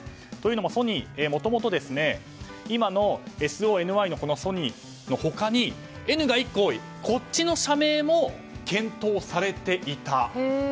というのもソニーもともと今のＳＯＮＹの他にＮが１個多いこっちの社名も検討されていた。